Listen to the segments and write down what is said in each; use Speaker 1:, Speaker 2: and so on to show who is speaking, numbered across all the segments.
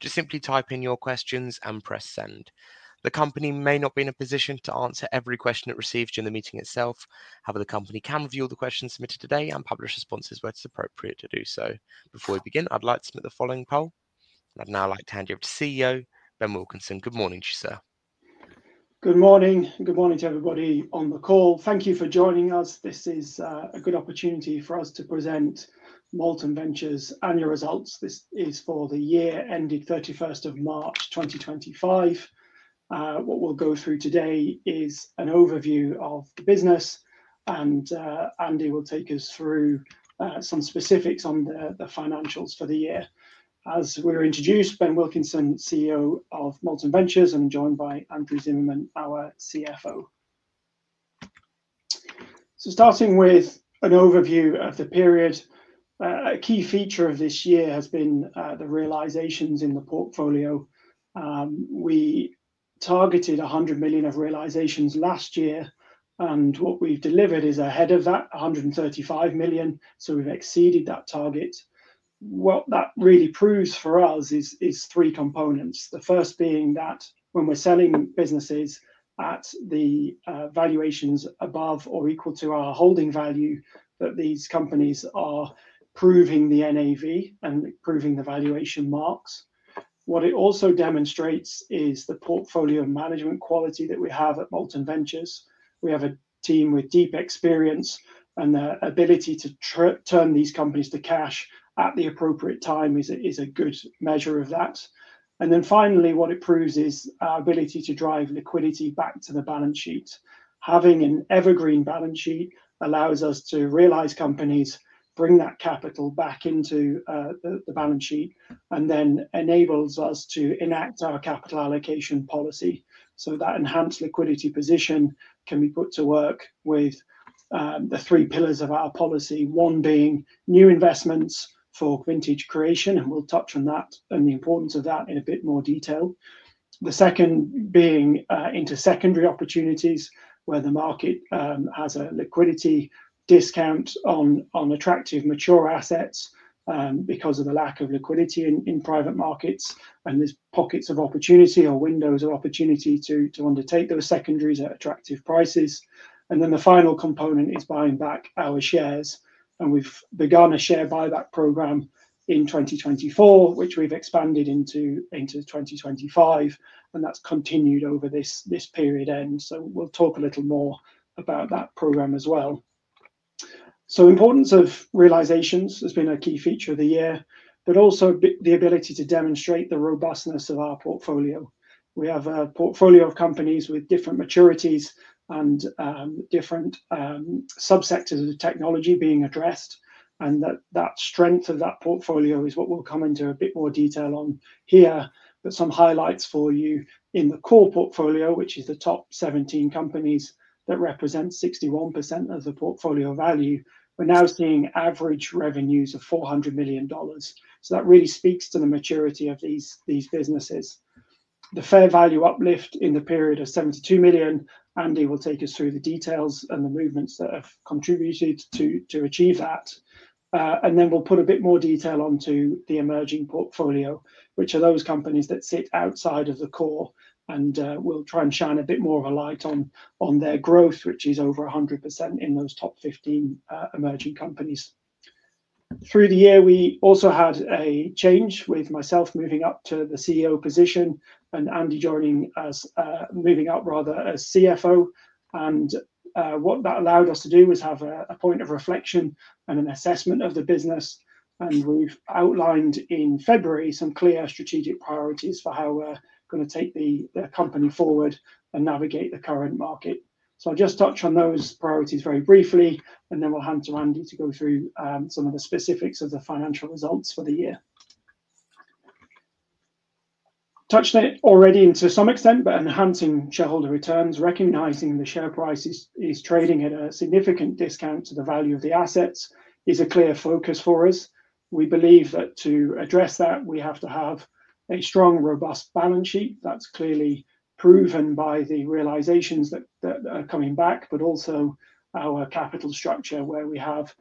Speaker 1: Just simply type in your questions and press send. The company may not be in a position to answer every question it receives during the meeting itself. However, the company can review the questions submitted today and publish responses where it is appropriate to do so. Before we begin, I'd like to submit the following poll. I'd now like to hand you over to CEO Ben Wilkinson. Good morning to you, sir.
Speaker 2: Good morning. Good morning to everybody on the call. Thank you for joining us. This is a good opportunity for us to present Molten Ventures' annual results. This is for the year ending 31st of March 2025. What we'll go through today is an overview of the business, and Andy will take us through some specifics on the financials for the year. As we're introduced, Ben Wilkinson, CEO of Molten Ventures, and joined by Andrew Zimmerman, our CFO. Starting with an overview of the period, a key feature of this year has been the realizations in the portfolio. We targeted 100 million of realizations last year, and what we've delivered is ahead of that, 135 million, so we've exceeded that target. What that really proves for us is three components. The first being that when we're selling businesses at the valuations above or equal to our holding value, that these companies are proving the NAV and proving the valuation marks. What it also demonstrates is the portfolio management quality that we have at Molten Ventures. We have a team with deep experience, and the ability to turn these companies to cash at the appropriate time is a good measure of that. Finally, what it proves is our ability to drive liquidity back to the balance sheet. Having an evergreen balance sheet allows us to realize companies, bring that capital back into the balance sheet, and then enables us to enact our capital allocation policy. That enhanced liquidity position can be put to work with the three pillars of our policy, one being new investments for vintage creation, and we'll touch on that and the importance of that in a bit more detail. The second being into secondary opportunities where the market has a liquidity discount on attractive mature assets because of the lack of liquidity in private markets, and there's pockets of opportunity or windows of opportunity to undertake those secondaries at attractive prices. The final component is buying back our shares, and we've begun a share buyback program in 2024, which we've expanded into 2025, and that's continued over this period end. We'll talk a little more about that program as well. The importance of realizations has been a key feature of the year, but also the ability to demonstrate the robustness of our portfolio. We have a portfolio of companies with different maturities and different subsectors of technology being addressed, and that strength of that portfolio is what we will come into a bit more detail on here. Some highlights for you in the core portfolio, which is the top 17 companies that represent 61% of the portfolio value, we are now seeing average revenues of $400 million. That really speaks to the maturity of these businesses. The fair value uplift in the period is 72 million. Andy will take us through the details and the movements that have contributed to achieve that. We will put a bit more detail onto the emerging portfolio, which are those companies that sit outside of the core, and we will try and shine a bit more of a light on their growth, which is over 100% in those top 15 emerging companies. Through the year, we also had a change with myself moving up to the CEO position and Andy joining as, moving up rather, as CFO. What that allowed us to do was have a point of reflection and an assessment of the business, and we have outlined in February some clear strategic priorities for how we are going to take the company forward and navigate the current market. I will just touch on those priorities very briefly, and then we will hand to Andy to go through some of the specifics of the financial results for the year. Touched on it already to some extent, but enhancing shareholder returns, recognizing the share price is trading at a significant discount to the value of the assets, is a clear focus for us. We believe that to address that, we have to have a strong, robust balance sheet that's clearly proven by the realizations that are coming back, but also our capital structure where we have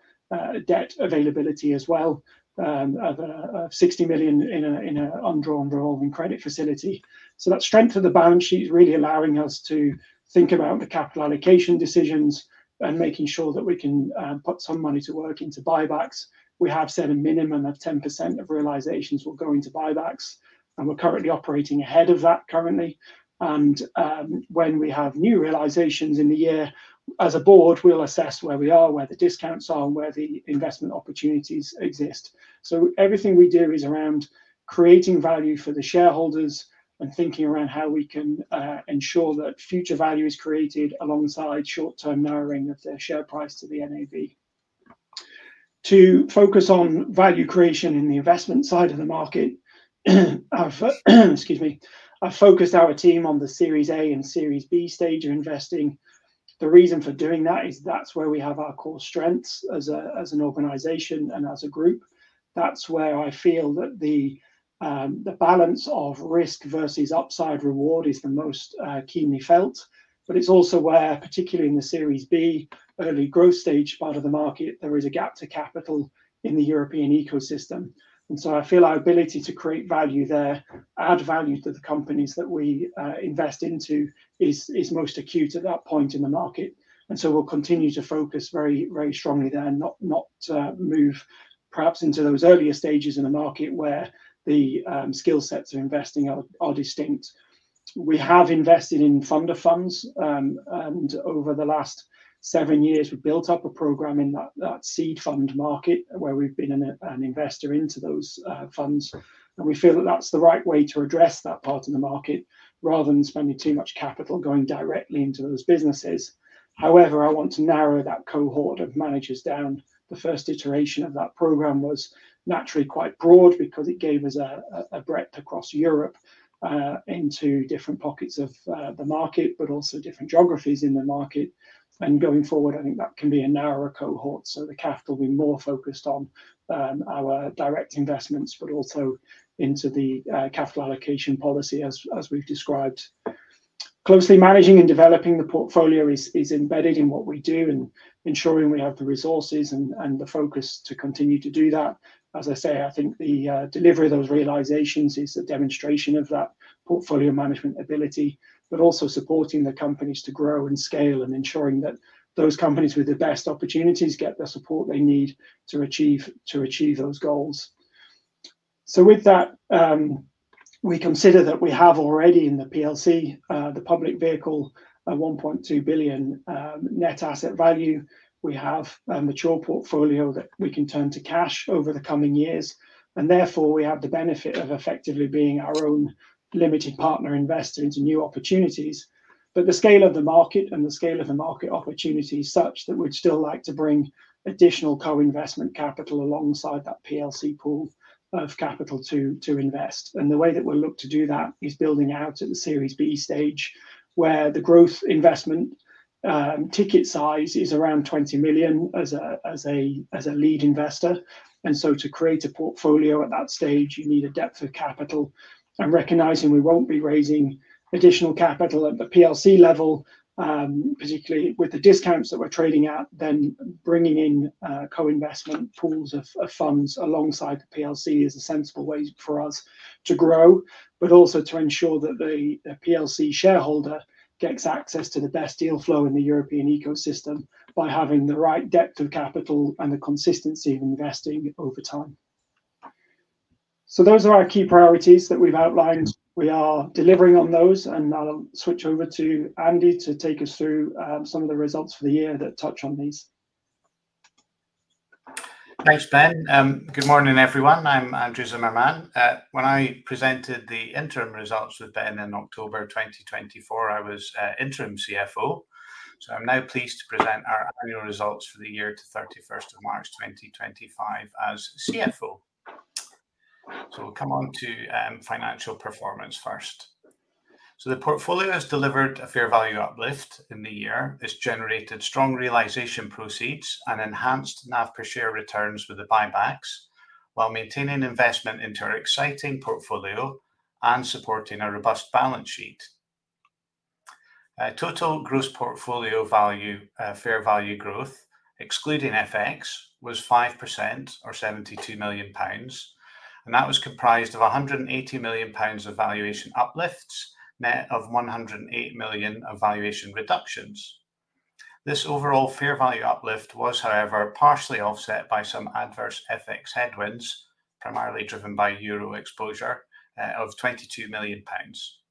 Speaker 2: debt availability as well of 60 million in an undrawn revolving credit facility. That strength of the balance sheet is really allowing us to think about the capital allocation decisions and making sure that we can put some money to work into buybacks. We have set a minimum of 10% of realizations we're going to buybacks, and we're currently operating ahead of that currently. When we have new realizations in the year, as a board, we'll assess where we are, where the discounts are, and where the investment opportunities exist. Everything we do is around creating value for the shareholders and thinking around how we can ensure that future value is created alongside short-term narrowing of the share price to the NAV. To focus on value creation in the investment side of the market, excuse me, I've focused our team on the Series A and Series B stage of investing. The reason for doing that is that's where we have our core strengths as an organization and as a group. That's where I feel that the balance of risk versus upside reward is the most keenly felt, but it's also where, particularly in the Series B early growth stage part of the market, there is a gap to capital in the European ecosystem. I feel our ability to create value there, add value to the companies that we invest into, is most acute at that point in the market. We will continue to focus very strongly there and not move perhaps into those earlier stages in the market where the skill sets of investing are distinct. We have invested in funder funds, and over the last seven years, we have built up a program in that seed fund market where we have been an investor into those funds. We feel that is the right way to address that part of the market rather than spending too much capital going directly into those businesses. However, I want to narrow that cohort of managers down. The first iteration of that program was naturally quite broad because it gave us a breadth across Europe into different pockets of the market, but also different geographies in the market. Going forward, I think that can be a narrower cohort, so the capital will be more focused on our direct investments, but also into the capital allocation policy as we've described. Closely managing and developing the portfolio is embedded in what we do and ensuring we have the resources and the focus to continue to do that. As I say, I think the delivery of those realizations is a demonstration of that portfolio management ability, but also supporting the companies to grow and scale and ensuring that those companies with the best opportunities get the support they need to achieve those goals. With that, we consider that we have already in the PLC, the public vehicle, a 1.2 billion net asset value. We have a mature portfolio that we can turn to cash over the coming years, and therefore we have the benefit of effectively being our own limited partner investor into new opportunities. The scale of the market and the scale of the market opportunity is such that we'd still like to bring additional co-investment capital alongside that PLC pool of capital to invest. The way that we'll look to do that is building out at the Series B stage where the growth investment ticket size is around 20 million as a lead investor. To create a portfolio at that stage, you need a depth of capital. Recognizing we will not be raising additional capital at the PLC level, particularly with the discounts that we are trading at, bringing in co-investment pools of funds alongside the PLC is a sensible way for us to grow, but also to ensure that the PLC shareholder gets access to the best deal flow in the European ecosystem by having the right depth of capital and the consistency of investing over time. Those are our key priorities that we have outlined. We are delivering on those, and I will switch over to Andy to take us through some of the results for the year that touch on these.
Speaker 3: Thanks, Ben. Good morning, everyone. I'm Andrew Zimmermann. When I presented the interim results with Ben in October 2024, I was interim CFO. I'm now pleased to present our annual results for the year to 31st of March 2025 as CFO. We'll come on to financial performance first. The portfolio has delivered a fair value uplift in the year. It's generated strong realization proceeds and enhanced NAV per share returns with the buybacks while maintaining investment into our exciting portfolio and supporting a robust balance sheet. Total gross portfolio value, fair value growth, excluding FX, was 5% or 72 million pounds, and that was comprised of 180 million pounds of valuation uplifts, net of 108 million of valuation reductions. This overall fair value uplift was, however, partially offset by some adverse FX headwinds, primarily driven by euro exposure of 22 million pounds.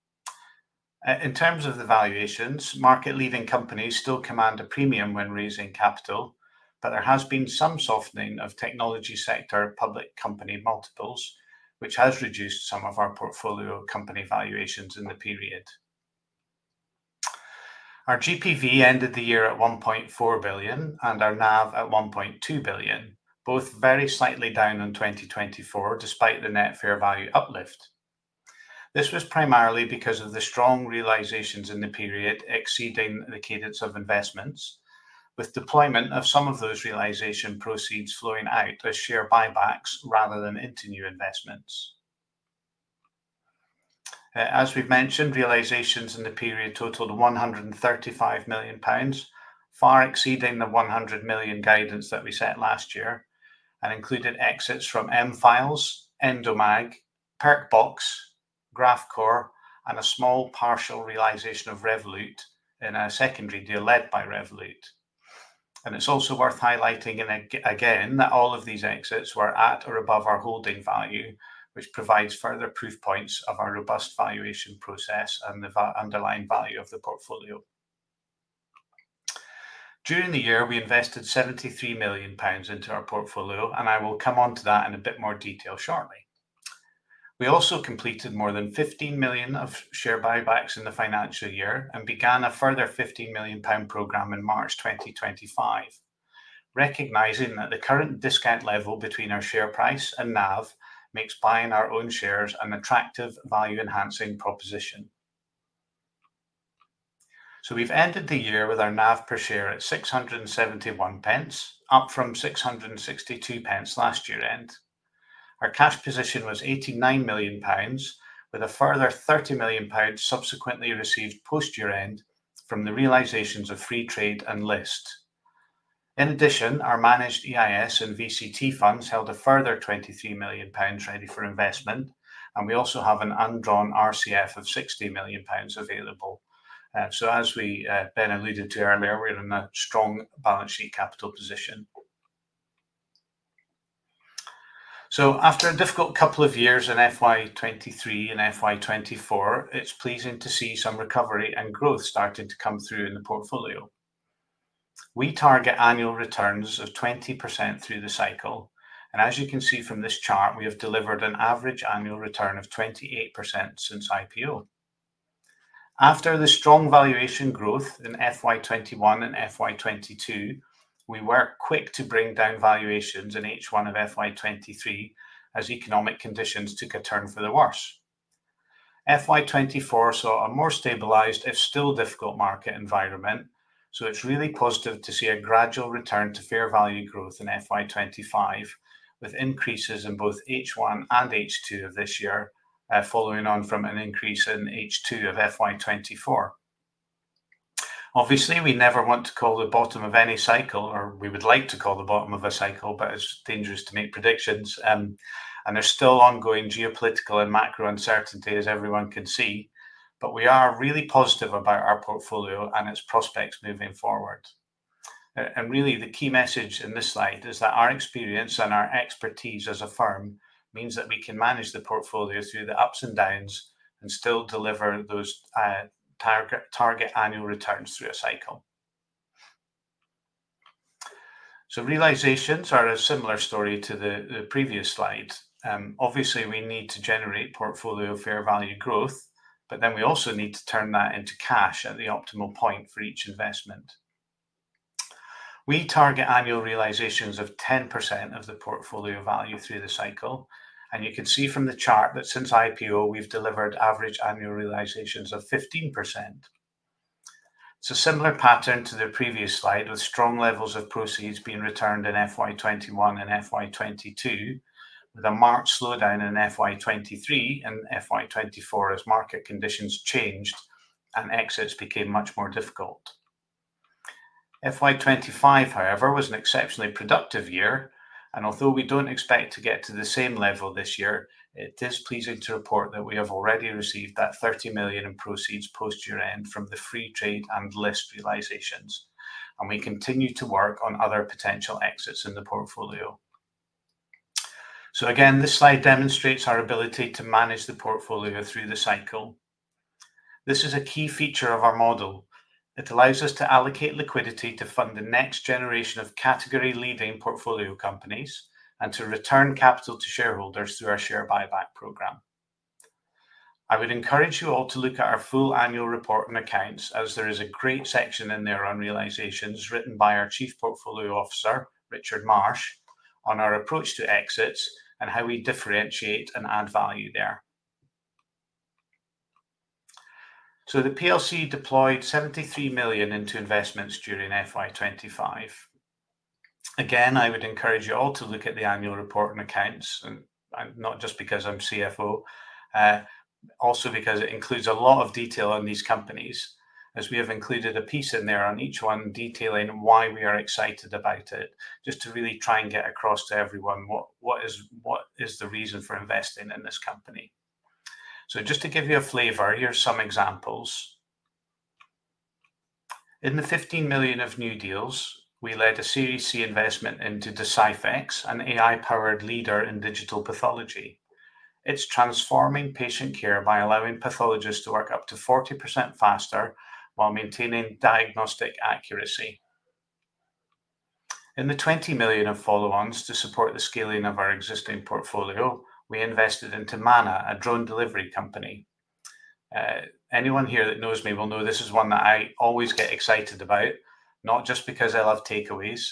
Speaker 3: In terms of the valuations, market-leading companies still command a premium when raising capital, but there has been some softening of technology sector public company multiples, which has reduced some of our portfolio company valuations in the period. Our GPV ended the year at 1.4 billion and our NAV at 1.2 billion, both very slightly down in 2024 despite the net fair value uplift. This was primarily because of the strong realizations in the period exceeding the cadence of investments, with deployment of some of those realization proceeds flowing out as share buybacks rather than into new investments. As we've mentioned, realizations in the period totaled 135 million pounds, far exceeding the 100 million guidance that we set last year and included exits from M-Files, Endomag, Perkbox, Graphcore, and a small partial realization of Revolut in a secondary deal led by Revolut. It is also worth highlighting again that all of these exits were at or above our holding value, which provides further proof points of our robust valuation process and the underlying value of the portfolio. During the year, we invested 73 million pounds into our portfolio, and I will come on to that in a bit more detail shortly. We also completed more than 15 million of share buybacks in the financial year and began a further 15 million pound program in March 2025, recognizing that the current discount level between our share price and NAV makes buying our own shares an attractive value-enhancing proposition. We have ended the year with our NAV per share at 671 pence, up from 662 pence last year-end. Our cash position was 89 million pounds, with a further 30 million pounds subsequently received post-year-end from the realizations of Freetrade and Lyst. In addition, our managed EIS and VCT funds held a further 23 million pounds ready for investment, and we also have an undrawn RCF of 60 million pounds available. As Ben alluded to earlier, we're in a strong balance sheet capital position. After a difficult couple of years in FY 2023 and FY 2024, it's pleasing to see some recovery and growth starting to come through in the portfolio. We target annual returns of 20% through the cycle, and as you can see from this chart, we have delivered an average annual return of 28% since IPO. After the strong valuation growth in FY 2021 and FY 2022, we were quick to bring down valuations in H1 of FY 2023 as economic conditions took a turn for the worse. FY 2024 saw a more stabilized, if still difficult, market environment, so it's really positive to see a gradual return to fair value growth in FY 2025 with increases in both H1 and H2 of this year, following on from an increase in H2 of FY 2024. Obviously, we never want to call the bottom of any cycle, or we would like to call the bottom of a cycle, but it's dangerous to make predictions, and there's still ongoing geopolitical and macro uncertainty, as everyone can see, but we are really positive about our portfolio and its prospects moving forward. Really, the key message in this slide is that our experience and our expertise as a firm means that we can manage the portfolio through the ups and downs and still deliver those target annual returns through a cycle. Realizations are a similar story to the previous slide. Obviously, we need to generate portfolio fair value growth, but then we also need to turn that into cash at the optimal point for each investment. We target annual realizations of 10% of the portfolio value through the cycle, and you can see from the chart that since IPO, we've delivered average annual realizations of 15%. It's a similar pattern to the previous slide, with strong levels of proceeds being returned in FY 2021 and FY 2022, with a marked slowdown in FY20 23 and FY 2024 as market conditions changed and exits became much more difficult. FY 2025, however, was an exceptionally productive year, and although we don't expect to get to the same level this year, it is pleasing to report that we have already received 30 million in proceeds post-year-end from the Freetrade and Lyst realizations, and we continue to work on other potential exits in the portfolio. Again, this slide demonstrates our ability to manage the portfolio through the cycle. This is a key feature of our model. It allows us to allocate liquidity to fund the next generation of category-leading portfolio companies and to return capital to shareholders through our share buyback program. I would encourage you all to look at our full annual report and accounts, as there is a great section in there on realizations written by our Chief Portfolio Officer, Richard Marsh, on our approach to exits and how we differentiate and add value there. The PLC deployed 73 million into investments during FY 2025. Again, I would encourage you all to look at the annual report and accounts, and not just because I'm CFO, also because it includes a lot of detail on these companies, as we have included a piece in there on each one detailing why we are excited about it, just to really try and get across to everyone what is the reason for investing in this company. To give you a flavor, here are some examples. In the 15 million of new deals, we led a Series C investment into Deciphex, an AI-powered leader in digital pathology. It's transforming patient care by allowing pathologists to work up to 40% faster while maintaining diagnostic accuracy. In the 20 million of follow-ons to support the scaling of our existing portfolio, we invested into Manna, a drone delivery company. Anyone here that knows me will know this is one that I always get excited about, not just because I love takeaways.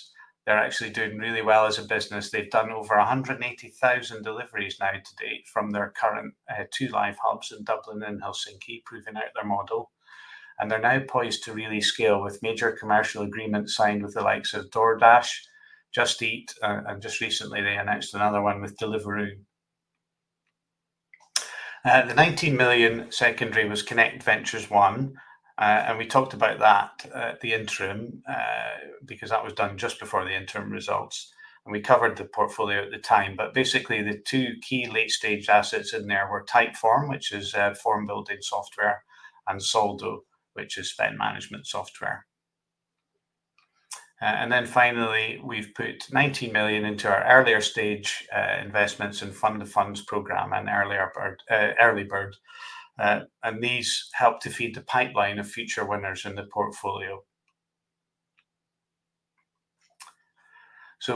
Speaker 3: They are actually doing really well as a business. They have done over 180,000 deliveries now to date from their current two live hubs in Dublin and Helsinki, proving out their model. They are now poised to really scale with major commercial agreements signed with the likes of DoorDash, Just Eat, and just recently, they announced another one with Deliveroo. The 19 million secondary was Connect Ventures One, and we talked about that at the interim because that was done just before the interim results, and we covered the portfolio at the time. Basically, the two key late-stage assets in there were Typeform, which is form-building software, and Soldo, which is spend management software. Finally, we've put 19 million into our earlier stage investments in Fund of Funds Program and Early Bird, and these help to feed the pipeline of future winners in the portfolio.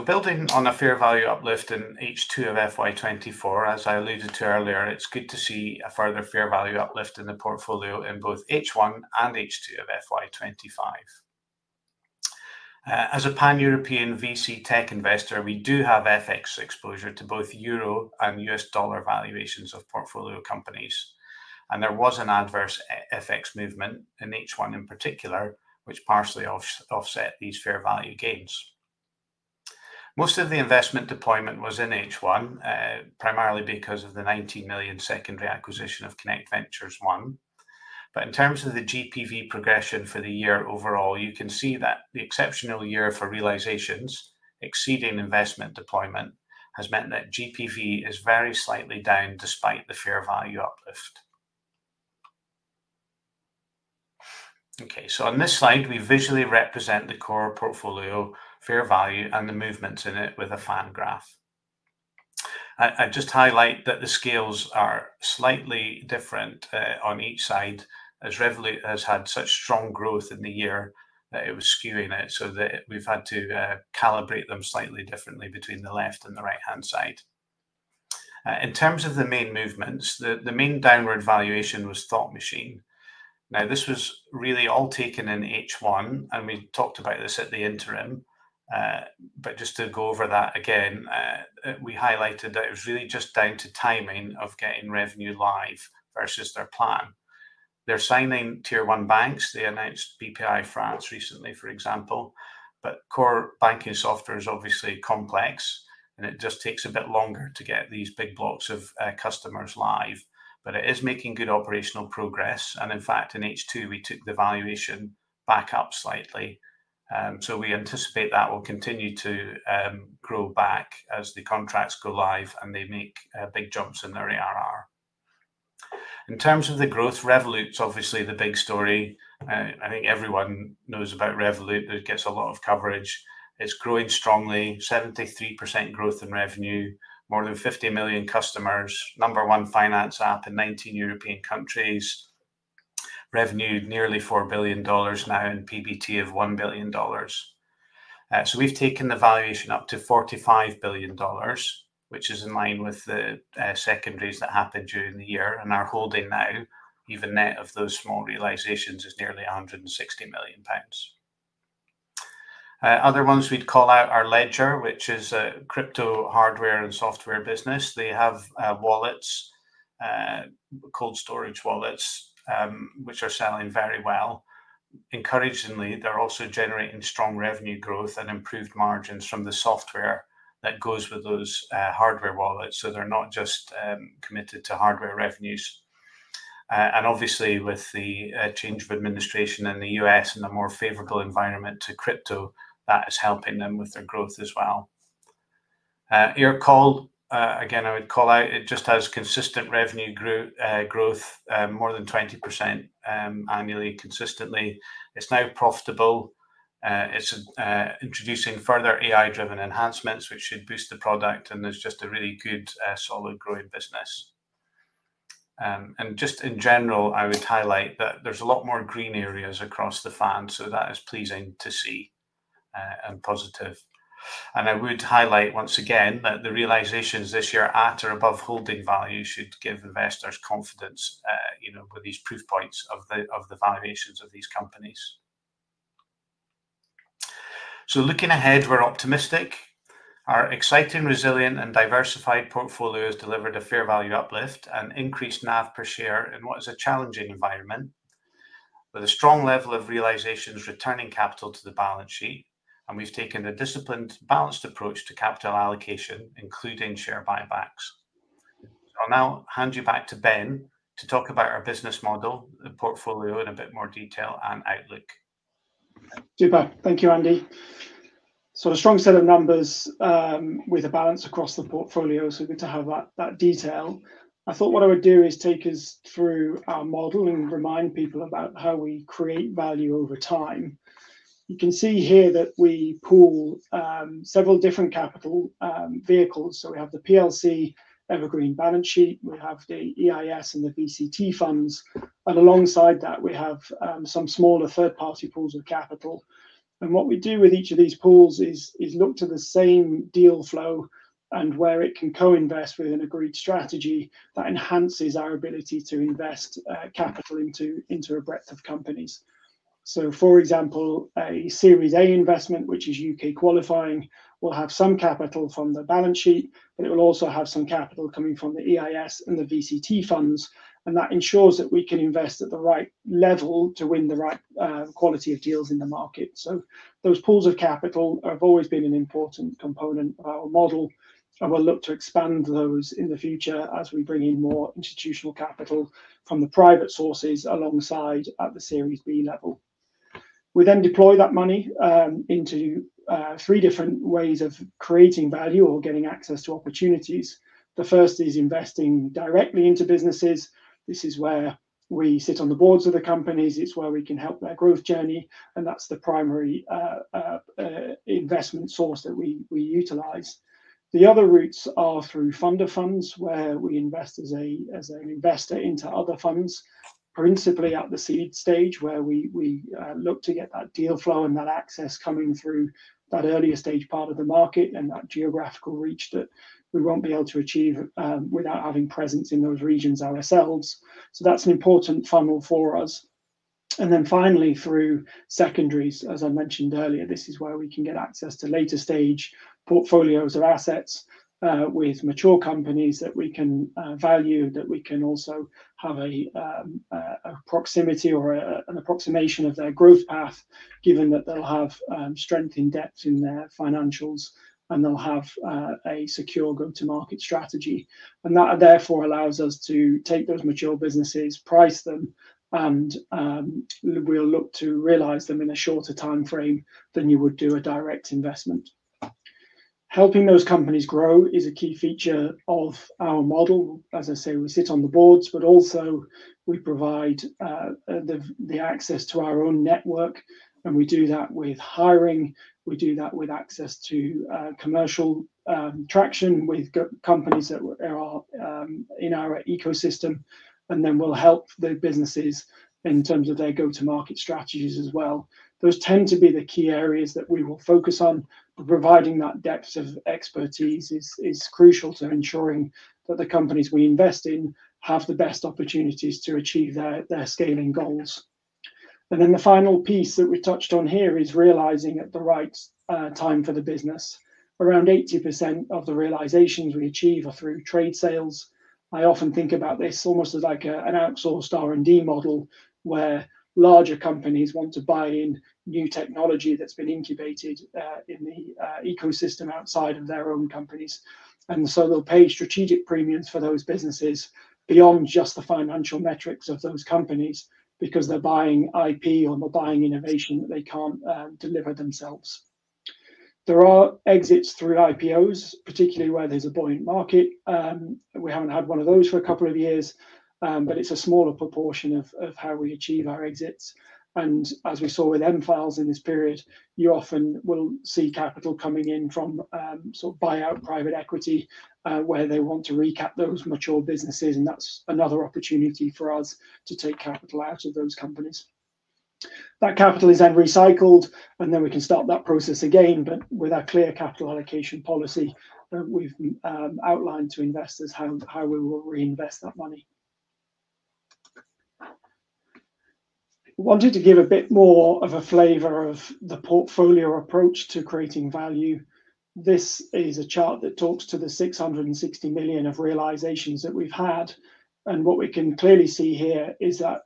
Speaker 3: Building on a fair value uplift in H2 of FY 2024, as I alluded to earlier, it's good to see a further fair value uplift in the portfolio in both H1 and H2 of FY 2025. As a Pan-European VC tech investor, we do have FX exposure to both euro and U.S. dollar valuations of portfolio companies, and there was an adverse FX movement in H1 in particular, which partially offset these fair value gains. Most of the investment deployment was in H1, primarily because of the 19 million secondary acquisition of Connect Ventures One. In terms of the GPV progression for the year overall, you can see that the exceptional year for realizations exceeding investment deployment has meant that GPV is very slightly down despite the fair value uplift. Okay, on this slide, we visually represent the core portfolio fair value and the movements in it with a fan graph. I just highlight that the scales are slightly different on each side, as Revolut has had such strong growth in the year that it was skewing it, so that we have had to calibrate them slightly differently between the left and the right-hand side. In terms of the main movements, the main downward valuation was Thought Machine. Now, this was really all taken in H1, and we talked about this at the interim, but just to go over that again, we highlighted that it was really just down to timing of getting revenue live versus their plan. They're signing tier one banks. They announced Bpifrance recently, for example, but core banking software is obviously complex, and it just takes a bit longer to get these big blocks of customers live, but it is making good operational progress. In fact, in H2, we took the valuation back up slightly, so we anticipate that will continue to grow back as the contracts go live and they make big jumps in their ARR. In terms of the growth, Revolut's obviously the big story. I think everyone knows about Revolut. It gets a lot of coverage. It's growing strongly, 73% growth in revenue, more than 50 million customers, number one finance app in 19 European countries, revenue nearly $4 billion now in PBT of $1 billion. We have taken the valuation up to $45 billion, which is in line with the secondaries that happened during the year, and our holding now, even net of those small realizations, is nearly 160 million pounds. Other ones we would call out are Ledger, which is a crypto hardware and software business. They have wallets, cold storage wallets, which are selling very well. Encouragingly, they are also generating strong revenue growth and improved margins from the software that goes with those hardware wallets, so they are not just committed to hardware revenues. Obviously, with the change of administration in the U.S. and a more favorable environment to crypto, that is helping them with their growth as well. Aircall, again, I would call out, it just has consistent revenue growth, more than 20% annually, consistently. It's now profitable. It's introducing further AI-driven enhancements, which should boost the product, and it's just a really good, solid growing business. In general, I would highlight that there's a lot more green areas across the fan, so that is pleasing to see and positive. I would highlight once again that the realizations this year at or above holding value should give investors confidence with these proof points of the valuations of these companies. Looking ahead, we're optimistic. Our exciting, resilient, and diversified portfolio has delivered a fair value uplift and increased NAV per share in what is a challenging environment, with a strong level of realizations returning capital to the balance sheet, and we've taken a disciplined, balanced approach to capital allocation, including share buybacks. I'll now hand you back to Ben to talk about our business model, the portfolio, in a bit more detail and outlook.
Speaker 2: Good back. Thank you, Andy. A strong set of numbers with a balance across the portfolio, so good to have that detail. I thought what I would do is take us through our model and remind people about how we create value over time. You can see here that we pool several different capital vehicles. We have the PLC, Evergreen Balance Sheet, we have the EIS and the VCT funds, and alongside that, we have some smaller third-party pools of capital. What we do with each of these pools is look to the same deal flow and where it can co-invest with an agreed strategy that enhances our ability to invest capital into a breadth of companies. For example, a Series A investment, which is U.K. qualifying, will have some capital from the balance sheet, but it will also have some capital coming from the EIS and the VCT funds, and that ensures that we can invest at the right level to win the right quality of deals in the market. Those pools of capital have always been an important component of our model, and we'll look to expand those in the future as we bring in more institutional capital from the private sources alongside at the Series B level. We then deploy that money into three different ways of creating value or getting access to opportunities. The first is investing directly into businesses. This is where we sit on the boards of the companies. It's where we can help their growth journey, and that's the primary investment source that we utilize. The other routes are through fund of funds, where we invest as an investor into other funds, principally at the seed stage, where we look to get that deal flow and that access coming through that earlier stage part of the market and that geographical reach that we will not be able to achieve without having presence in those regions ourselves. That is an important funnel for us. Finally, through secondaries, as I mentioned earlier, this is where we can get access to later stage portfolios of assets with mature companies that we can value, that we can also have a proximity or an approximation of their growth path, given that they will have strength in depth in their financials and they will have a secure go-to-market strategy. That therefore allows us to take those mature businesses, price them, and we'll look to realize them in a shorter time frame than you would do a direct investment. Helping those companies grow is a key feature of our model. As I say, we sit on the boards, but also we provide the access to our own network, and we do that with hiring. We do that with access to commercial traction with companies that are in our ecosystem, and then we'll help the businesses in terms of their go-to-market strategies as well. Those tend to be the key areas that we will focus on. Providing that depth of expertise is crucial to ensuring that the companies we invest in have the best opportunities to achieve their scaling goals. The final piece that we touched on here is realizing at the right time for the business. Around 80% of the realizations we achieve are through trade sales. I often think about this almost as like an outsourced R&D model, where larger companies want to buy in new technology that's been incubated in the ecosystem outside of their own companies. They will pay strategic premiums for those businesses beyond just the financial metrics of those companies because they're buying IP or they're buying innovation that they can't deliver themselves. There are exits through IPOs, particularly where there's a buoyant market. We haven't had one of those for a couple of years, but it's a smaller proportion of how we achieve our exits. As we saw with M-Files in this period, you often will see capital coming in from sort of buyout private equity where they want to recap those mature businesses, and that's another opportunity for us to take capital out of those companies. That capital is then recycled, and then we can start that process again, but with a clear capital allocation policy that we've outlined to investors how we will reinvest that money. I wanted to give a bit more of a flavor of the portfolio approach to creating value. This is a chart that talks to the 660 million of realizations that we've had, and what we can clearly see here is that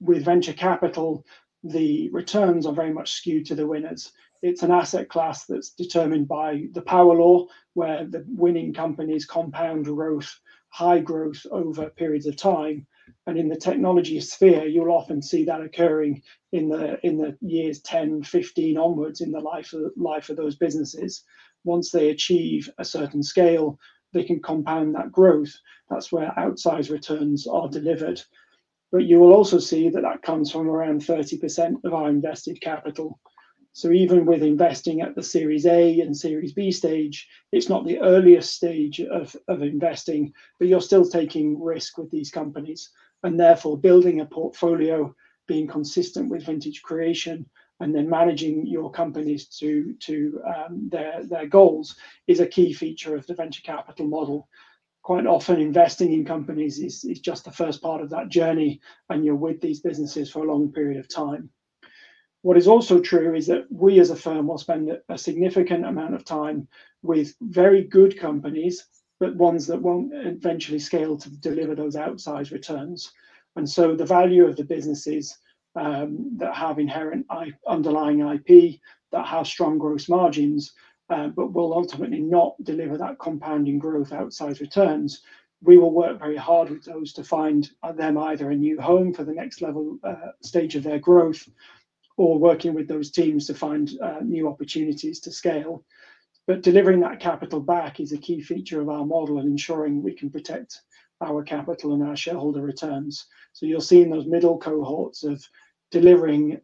Speaker 2: with venture capital, the returns are very much skewed to the winners. It's an asset class that's determined by the power law, where the winning companies compound growth, high growth over periods of time. In the technology sphere, you'll often see that occurring in the years 10, 15 onwards in the life of those businesses. Once they achieve a certain scale, they can compound that growth. That's where outsized returns are delivered. You will also see that that comes from around 30% of our invested capital. Even with investing at the Series A and Series B stage, it's not the earliest stage of investing, but you're still taking risk with these companies. Therefore, building a portfolio, being consistent with vintage creation, and then managing your companies to their goals is a key feature of the venture capital model. Quite often, investing in companies is just the first part of that journey, and you're with these businesses for a long period of time. What is also true is that we, as a firm, will spend a significant amount of time with very good companies, but ones that won't eventually scale to deliver those outsized returns. The value of the businesses that have inherent underlying IP, that have strong gross margins, but will ultimately not deliver that compounding growth outsized returns, we will work very hard with those to find them either a new home for the next level stage of their growth or working with those teams to find new opportunities to scale. Delivering that capital back is a key feature of our model and ensuring we can protect our capital and our shareholder returns. You'll see in those middle cohorts of delivering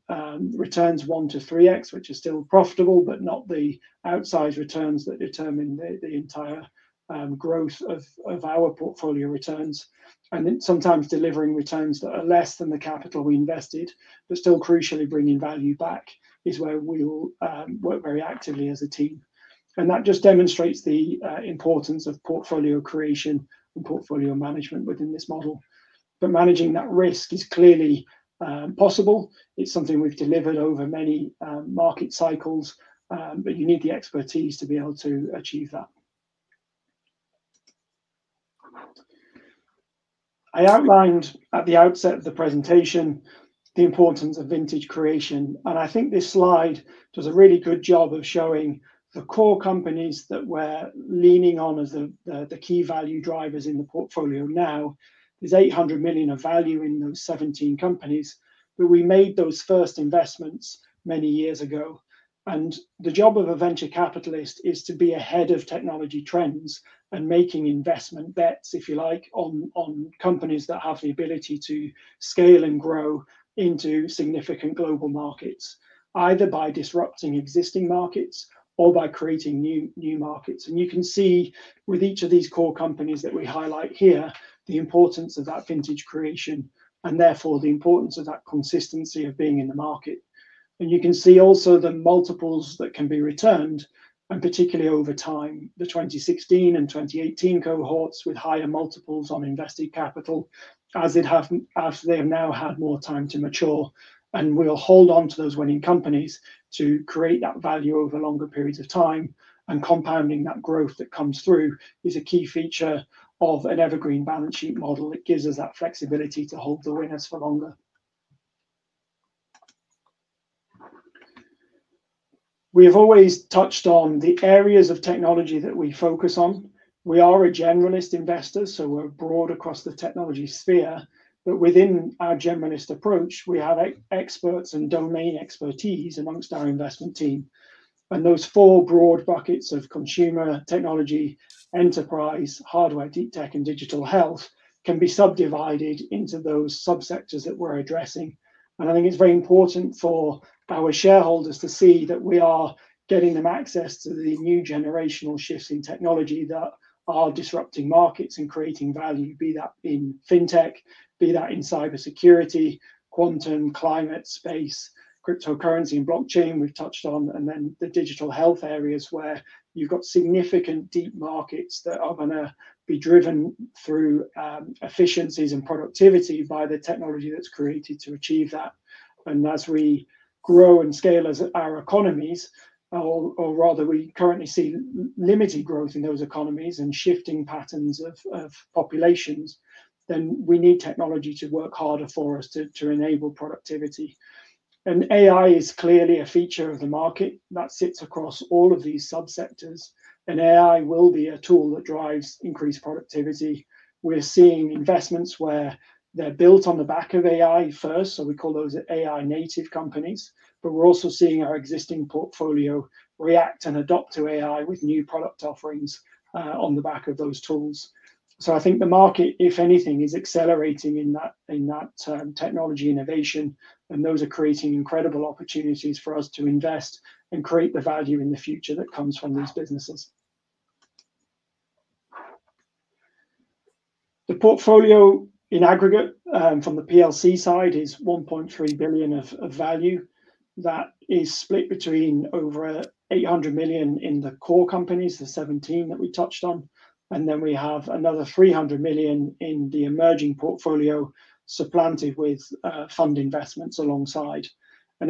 Speaker 2: returns 1-3x, which are still profitable, but not the outsized returns that determine the entire growth of our portfolio returns. Sometimes delivering returns that are less than the capital we invested, but still crucially bringing value back is where we will work very actively as a team. That just demonstrates the importance of portfolio creation and portfolio management within this model. Managing that risk is clearly possible. It's something we've delivered over many market cycles, but you need the expertise to be able to achieve that. I outlined at the outset of the presentation the importance of vintage creation, and I think this slide does a really good job of showing the core companies that we're leaning on as the key value drivers in the portfolio now. There's 800 million of value in those 17 companies, but we made those first investments many years ago. The job of a venture capitalist is to be ahead of technology trends and making investment bets, if you like, on companies that have the ability to scale and grow into significant global markets, either by disrupting existing markets or by creating new markets. You can see with each of these core companies that we highlight here, the importance of that vintage creation and therefore the importance of that consistency of being in the market. You can see also the multiples that can be returned, and particularly over time, the 2016 and 2018 cohorts with higher multiples on invested capital as they have now had more time to mature. We will hold on to those winning companies to create that value over longer periods of time, and compounding that growth that comes through is a key feature of an Evergreen Balance Sheet model that gives us that flexibility to hold the winners for longer. We have always touched on the areas of technology that we focus on. We are a generalist investor, so we're broad across the technology sphere, but within our generalist approach, we have experts and domain expertise amongst our investment team. Those four broad buckets of consumer, technology, enterprise, hardware, deep tech, and digital health can be subdivided into those subsectors that we're addressing. I think it's very important for our shareholders to see that we are getting them access to the new generational shifts in technology that are disrupting markets and creating value, be that in fintech, be that in cybersecurity, quantum, climate space, cryptocurrency, and blockchain we've touched on, and then the digital health areas where you've got significant deep markets that are going to be driven through efficiencies and productivity by the technology that's created to achieve that. As we grow and scale our economies, or rather we currently see limited growth in those economies and shifting patterns of populations, we need technology to work harder for us to enable productivity. AI is clearly a feature of the market that sits across all of these subsectors, and AI will be a tool that drives increased productivity. We're seeing investments where they're built on the back of AI first, so we call those AI-native companies, but we're also seeing our existing portfolio react and adopt to AI with new product offerings on the back of those tools. I think the market, if anything, is accelerating in that technology innovation, and those are creating incredible opportunities for us to invest and create the value in the future that comes from these businesses. The portfolio in aggregate from the PLC side is 1.3 billion of value. That is split between over 800 million in the core companies, the 17 that we touched on, and then we have another 300 million in the emerging portfolio supplanted with fund investments alongside.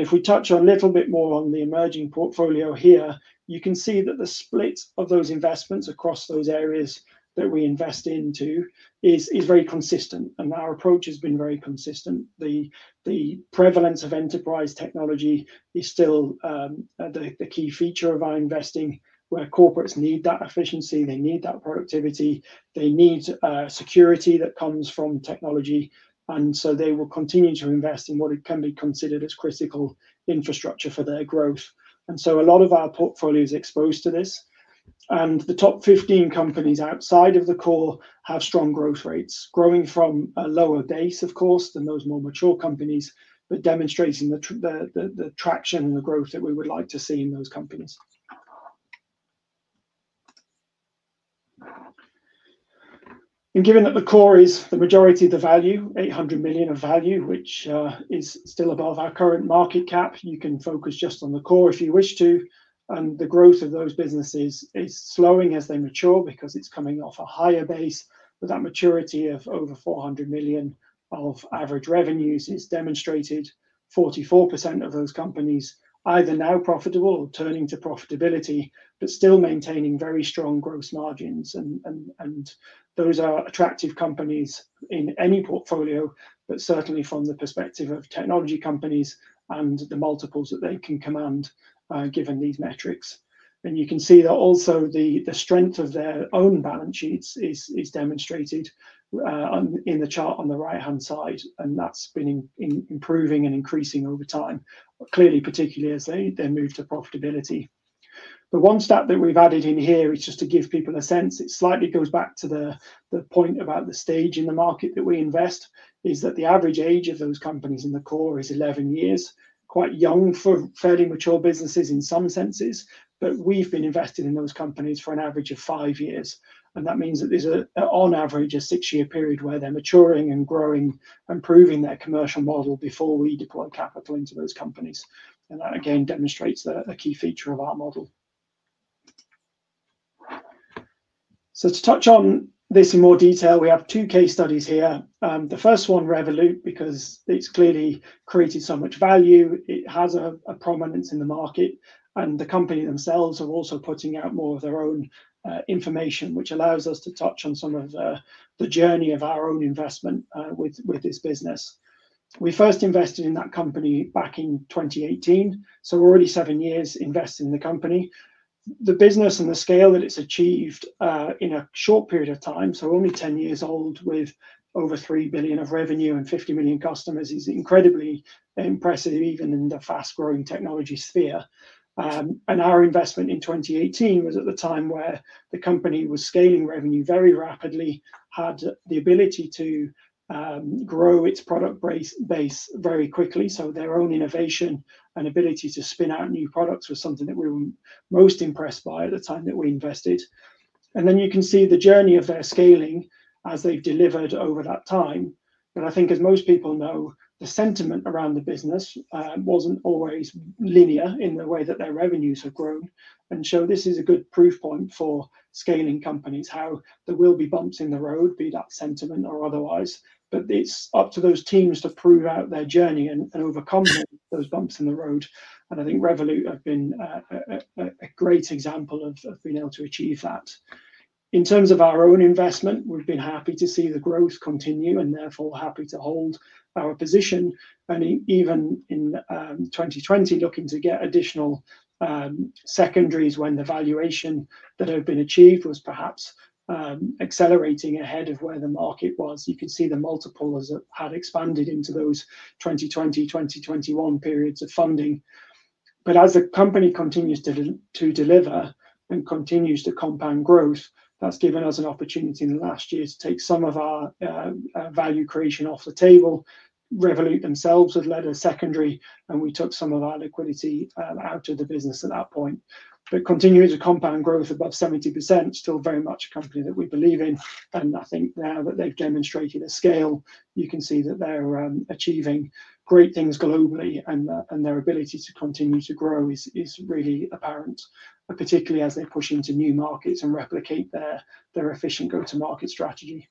Speaker 2: If we touch a little bit more on the emerging portfolio here, you can see that the split of those investments across those areas that we invest into is very consistent, and our approach has been very consistent. The prevalence of enterprise technology is still the key feature of our investing where corporates need that efficiency, they need that productivity, they need security that comes from technology, and they will continue to invest in what can be considered as critical infrastructure for their growth. A lot of our portfolio is exposed to this, and the top 15 companies outside of the core have strong growth rates, growing from a lower base, of course, than those more mature companies, but demonstrating the traction and the growth that we would like to see in those companies. Given that the core is the majority of the value, 800 million of value, which is still above our current market cap, you can focus just on the core if you wish to. The growth of those businesses is slowing as they mature because it is coming off a higher base, but that maturity of over 400 million of average revenues is demonstrated. 44% of those companies are either now profitable or turning to profitability, but still maintaining very strong gross margins, and those are attractive companies in any portfolio, certainly from the perspective of technology companies and the multiples that they can command given these metrics. You can see that also the strength of their own balance sheets is demonstrated in the chart on the right-hand side, and that's been improving and increasing over time, clearly particularly as they move to profitability. The one stat that we've added in here is just to give people a sense. It slightly goes back to the point about the stage in the market that we invest, is that the average age of those companies in the core is 11 years, quite young for fairly mature businesses in some senses, but we've been investing in those companies for an average of five years. That means that there's on average a six-year period where they're maturing and growing and proving their commercial model before we deploy capital into those companies. That again demonstrates a key feature of our model. To touch on this in more detail, we have two case studies here. The first one, Revolut, because it's clearly created so much value, it has a prominence in the market, and the company themselves are also putting out more of their own information, which allows us to touch on some of the journey of our own investment with this business. We first invested in that company back in 2018, so we're already seven years invested in the company. The business and the scale that it's achieved in a short period of time, so only 10 years old with over 3 billion of revenue and 50 million customers, is incredibly impressive even in the fast-growing technology sphere. Our investment in 2018 was at the time where the company was scaling revenue very rapidly, had the ability to grow its product base very quickly, so their own innovation and ability to spin out new products was something that we were most impressed by at the time that we invested. You can see the journey of their scaling as they've delivered over that time. I think as most people know, the sentiment around the business was not always linear in the way that their revenues have grown. This is a good proof point for scaling companies, how there will be bumps in the road, be that sentiment or otherwise, but it is up to those teams to prove out their journey and overcome those bumps in the road. I think Revolut have been a great example of being able to achieve that. In terms of our own investment, we have been happy to see the growth continue and therefore happy to hold our position. Even in 2020, looking to get additional secondaries when the valuation that had been achieved was perhaps accelerating ahead of where the market was. You can see the multiples had expanded into those 2020-2021 periods of funding. As the company continues to deliver and continues to compound growth, that has given us an opportunity in the last year to take some of our value creation off the table. Revolut themselves had led a secondary, and we took some of our liquidity out of the business at that point. Continuing to compound growth above 70%, still very much a company that we believe in. I think now that they've demonstrated a scale, you can see that they're achieving great things globally, and their ability to continue to grow is really apparent, particularly as they push into new markets and replicate their efficient go-to-market strategy.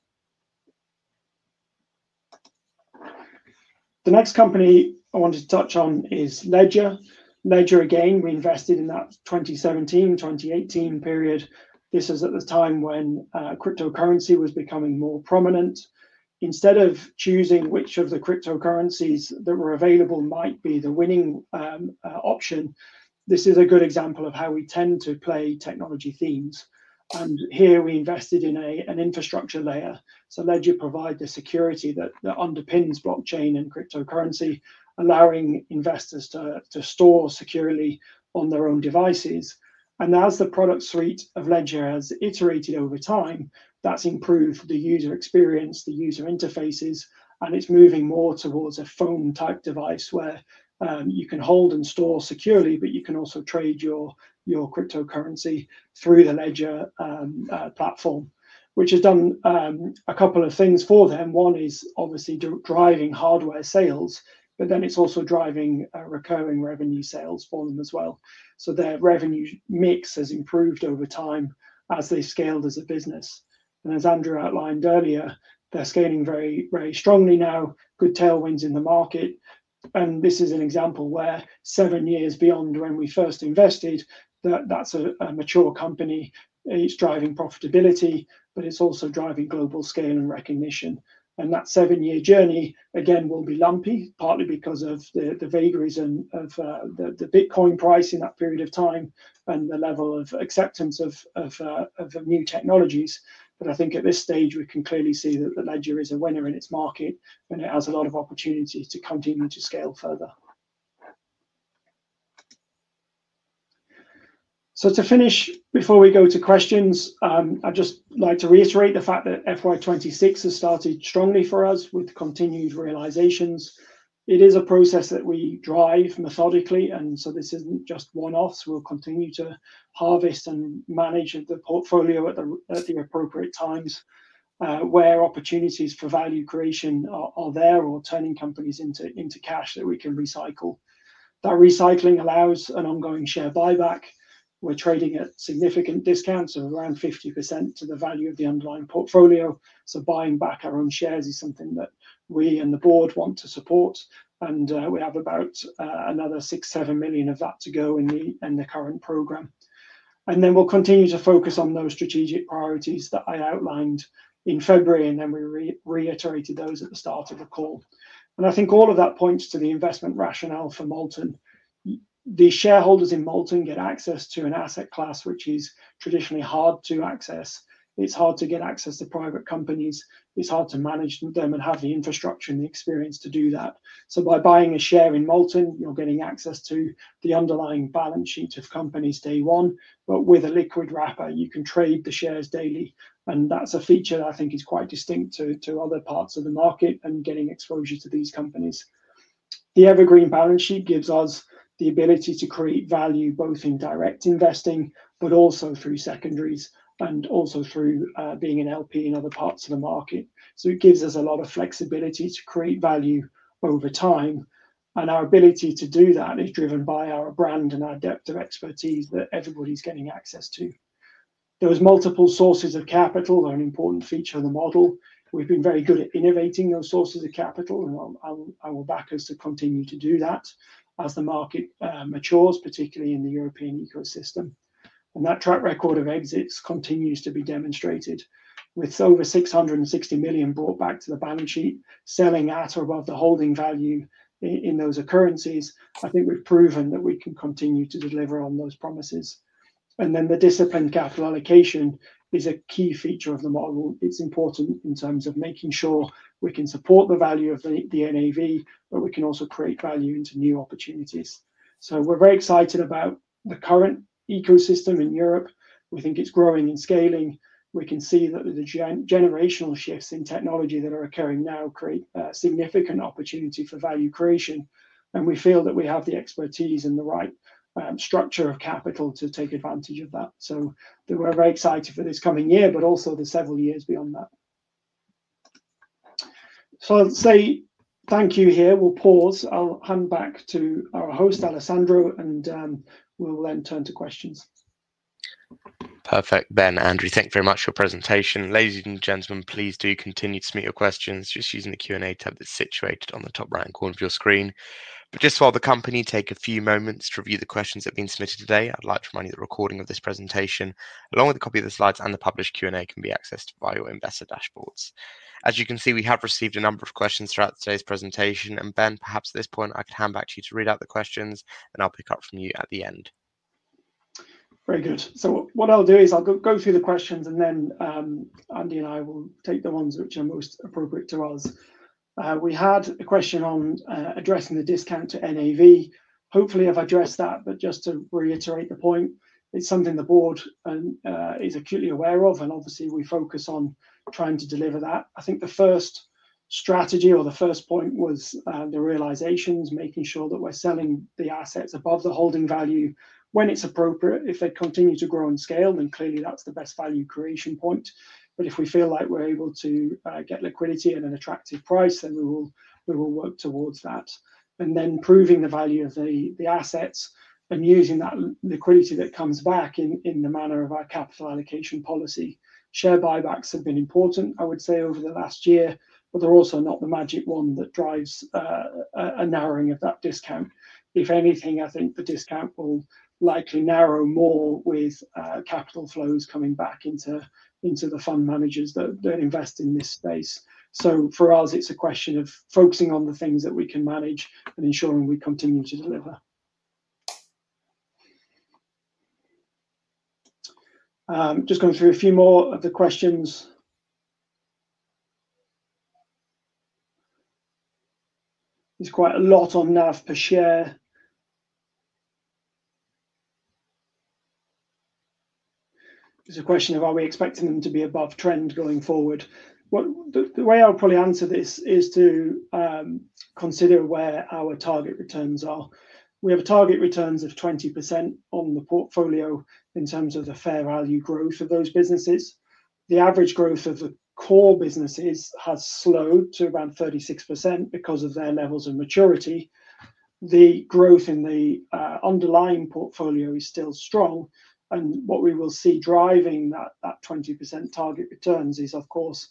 Speaker 2: The next company I wanted to touch on is Ledger. Ledger, again, we invested in that 2017, 2018 period. This was at the time when cryptocurrency was becoming more prominent. Instead of choosing which of the cryptocurrencies that were available might be the winning option, this is a good example of how we tend to play technology themes. Here we invested in an infrastructure layer. Ledger provides the security that underpins blockchain and cryptocurrency, allowing investors to store securely on their own devices. As the product suite of Ledger has iterated over time, that's improved the user experience, the user interfaces, and it's moving more towards a phone-type device where you can hold and store securely, but you can also trade your cryptocurrency through the Ledger platform, which has done a couple of things for them. One is obviously driving hardware sales, but then it's also driving recurring revenue sales for them as well. Their revenue mix has improved over time as they scaled as a business. As Andrew outlined earlier, they're scaling very strongly now, good tailwinds in the market. This is an example where seven years beyond when we first invested, that's a mature company. It's driving profitability, but it's also driving global scale and recognition. That seven-year journey, again, will be lumpy, partly because of the vagaries of the Bitcoin price in that period of time and the level of acceptance of new technologies. I think at this stage, we can clearly see that Ledger is a winner in its market, and it has a lot of opportunities to continue to scale further. To finish, before we go to questions, I'd just like to reiterate the fact that FY 2026 has started strongly for us with continued realizations. It is a process that we drive methodically, and this isn't just one-offs. We'll continue to harvest and manage the portfolio at the appropriate times where opportunities for value creation are there or turning companies into cash that we can recycle. That recycling allows an ongoing share buyback. We're trading at significant discounts of around 50% to the value of the underlying portfolio. Buying back our own shares is something that we and the board want to support, and we have about another 6 million-7 million of that to go in the current program. We will continue to focus on those strategic priorities that I outlined in February, and we reiterated those at the start of the call. I think all of that points to the investment rationale for Molten. The shareholders in Molten get access to an asset class which is traditionally hard to access. It is hard to get access to private companies. It is hard to manage them and have the infrastructure and the experience to do that. By buying a share in Molten, you're getting access to the underlying balance sheet of companies day one, but with a liquid wrapper, you can trade the shares daily, and that's a feature that I think is quite distinct to other parts of the market and getting exposure to these companies. The Evergreen Balance Sheet gives us the ability to create value both in direct investing, but also through secondaries and also through being an LP in other parts of the market. It gives us a lot of flexibility to create value over time, and our ability to do that is driven by our brand and our depth of expertise that everybody's getting access to. There are multiple sources of capital. They're an important feature of the model. have been very good at innovating those sources of capital, and I will back us to continue to do that as the market matures, particularly in the European ecosystem. That track record of exits continues to be demonstrated. With over 660 million brought back to the balance sheet, selling at or above the holding value in those occurrences, I think we have proven that we can continue to deliver on those promises. The disciplined capital allocation is a key feature of the model. It is important in terms of making sure we can support the value of the NAV, but we can also create value into new opportunities. We are very excited about the current ecosystem in Europe. We think it is growing and scaling. We can see that the generational shifts in technology that are occurring now create significant opportunity for value creation, and we feel that we have the expertise and the right structure of capital to take advantage of that. We are very excited for this coming year, but also the several years beyond that. I will say thank you here. We will pause. I will hand back to our host, Alessandro, and we will then turn to questions.
Speaker 1: Perfect. Ben, Andrew, thank you very much for your presentation. Ladies and gentlemen, please do continue to submit your questions just using the Q&A tab that is situated on the top right-hand corner of your screen. While the company takes a few moments to review the questions that have been submitted today, I'd like to remind you that the recording of this presentation, along with a copy of the slides and the published Q&A, can be accessed via your investor dashboards. As you can see, we have received a number of questions throughout today's presentation. Ben, perhaps at this point, I could hand back to you to read out the questions, and I'll pick up from you at the end.
Speaker 2: Very good. What I'll do is I'll go through the questions, and then Andy and I will take the ones which are most appropriate to us. We had a question on addressing the discount to NAV. Hopefully, I've addressed that, but just to reiterate the point, it's something the board is acutely aware of, and obviously, we focus on trying to deliver that. I think the first strategy or the first point was the realizations, making sure that we're selling the assets above the holding value when it's appropriate. If they continue to grow and scale, then clearly that's the best value creation point. If we feel like we're able to get liquidity at an attractive price, then we will work towards that. Then proving the value of the assets and using that liquidity that comes back in the manner of our capital allocation policy. Share buybacks have been important, I would say, over the last year, but they're also not the magic one that drives a narrowing of that discount. If anything, I think the discount will likely narrow more with capital flows coming back into the fund managers that invest in this space. For us, it's a question of focusing on the things that we can manage and ensuring we continue to deliver. Just going through a few more of the questions. There's quite a lot on NAV per share. There's a question of, are we expecting them to be above trend going forward? The way I'll probably answer this is to consider where our target returns are. We have target returns of 20% on the portfolio in terms of the fair value growth of those businesses. The average growth of the core businesses has slowed to around 36% because of their levels of maturity. The growth in the underlying portfolio is still strong, and what we will see driving that 20% target returns is, of course,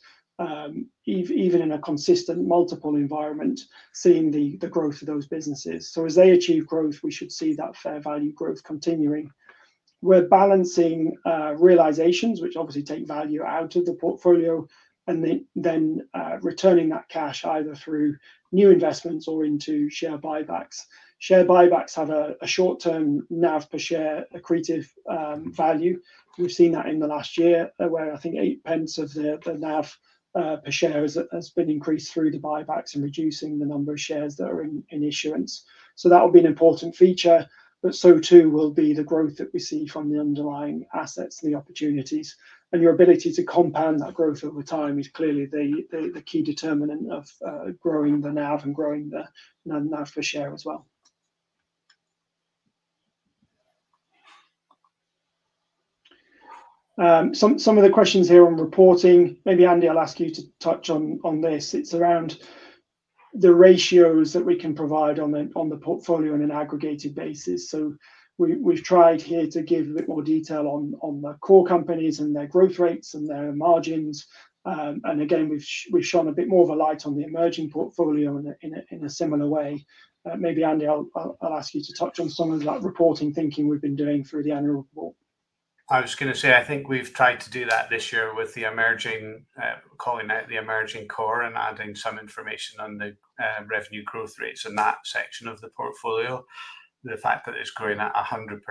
Speaker 2: even in a consistent multiple environment, seeing the growth of those businesses. As they achieve growth, we should see that fair value growth continuing. We're balancing realizations, which obviously take value out of the portfolio, and then returning that cash either through new investments or into share buybacks. Share buybacks have a short-term NAV per share accretive value. We've seen that in the last year where, I think, 0.08 of the NAV per share has been increased through the buybacks and reducing the number of shares that are in issuance. That will be an important feature, but so too will be the growth that we see from the underlying assets, the opportunities. Your ability to compound that growth over time is clearly the key determinant of growing the NAV and growing the NAV per share as well. Some of the questions here on reporting, maybe Andy will ask you to touch on this. It is around the ratios that we can provide on the portfolio on an aggregated basis. We have tried here to give a bit more detail on the core companies and their growth rates and their margins. Again, we have shone a bit more of a light on the emerging portfolio in a similar way. Maybe Andy, I will ask you to touch on some of that reporting thinking we have been doing through the annual report.
Speaker 3: I was going to say, I think we've tried to do that this year with the emerging, calling that the emerging core and adding some information on the revenue growth rates in that section of the portfolio. The fact that it's growing at 100%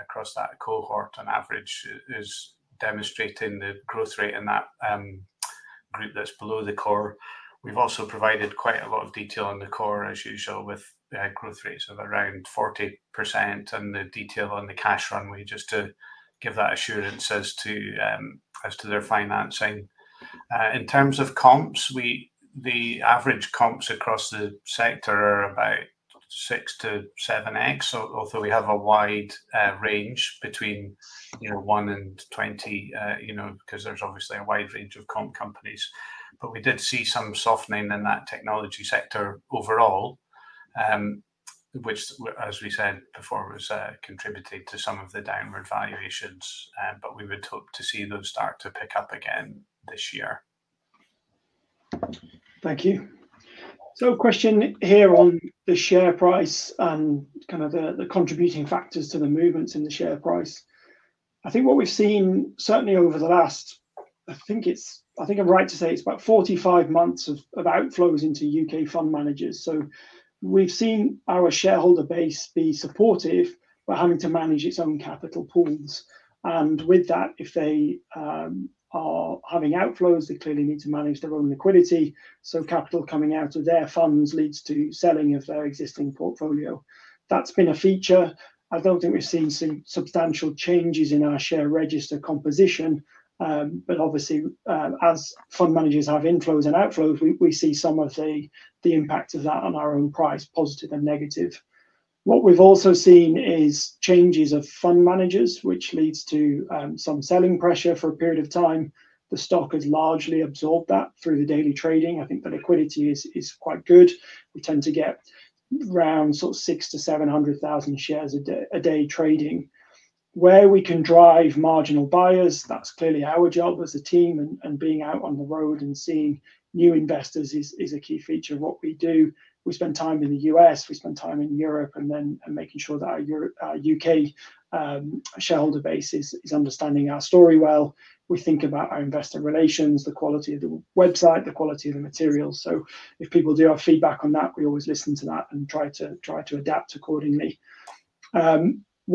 Speaker 3: across that cohort on average is demonstrating the growth rate in that group that's below the core. We've also provided quite a lot of detail on the core, as usual, with growth rates of around 40% and the detail on the cash runway just to give that assurance as to their financing. In terms of comps, the average comps across the sector are about 6-7x, although we have a wide range between 1 and 20 because there's obviously a wide range of comp companies. We did see some softening in that technology sector overall, which, as we said before, has contributed to some of the downward valuations. We would hope to see those start to pick up again this year.
Speaker 2: Thank you. A question here on the share price and kind of the contributing factors to the movements in the share price. I think what we've seen, certainly over the last, I think I'm right to say it's about 45 months of outflows into U.K. fund managers. We've seen our shareholder base be supportive, but having to manage its own capital pools. With that, if they are having outflows, they clearly need to manage their own liquidity. Capital coming out of their funds leads to selling of their existing portfolio. That's been a feature. I do not think we have seen substantial changes in our share register composition, but obviously, as fund managers have inflows and outflows, we see some of the impact of that on our own price, positive and negative. What we have also seen is changes of fund managers, which leads to some selling pressure for a period of time. The stock has largely absorbed that through the daily trading. I think the liquidity is quite good. We tend to get around 600,000-700,000 shares a day trading. Where we can drive marginal buyers, that is clearly our job as a team, and being out on the road and seeing new investors is a key feature of what we do. We spend time in the U.S., we spend time in Europe, and then making sure that our U.K. shareholder base is understanding our story well. We think about our investor relations, the quality of the website, the quality of the materials. If people do have feedback on that, we always listen to that and try to adapt accordingly.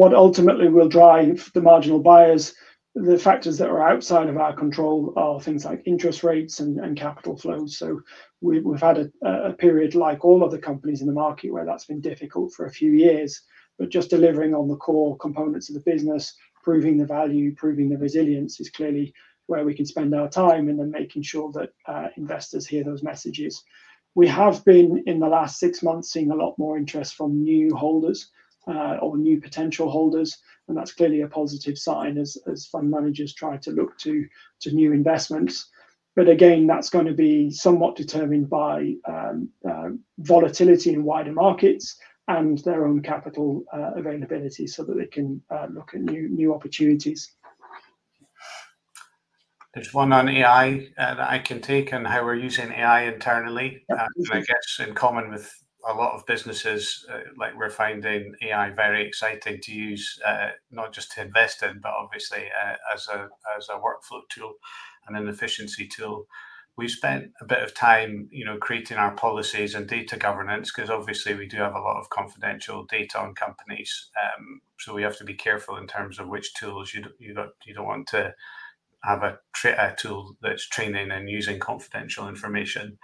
Speaker 2: What ultimately will drive the marginal buyers, the factors that are outside of our control are things like interest rates and capital flows. We have had a period like all other companies in the market where that has been difficult for a few years, just delivering on the core components of the business, proving the value, proving the resilience is clearly where we can spend our time and then making sure that investors hear those messages. We have been, in the last six months, seeing a lot more interest from new holders or new potential holders, and that is clearly a positive sign as fund managers try to look to new investments. Again, that's going to be somewhat determined by volatility in wider markets and their own capital availability so that they can look at new opportunities.
Speaker 3: There's one on AI that I can take on how we're using AI internally. I guess in common with a lot of businesses, we're finding AI very exciting to use, not just to invest in, but obviously as a workflow tool and an efficiency tool. We've spent a bit of time creating our policies and data governance because obviously we do have a lot of confidential data on companies. We have to be careful in terms of which tools. You do not want to have a tool that's training and using confidential information.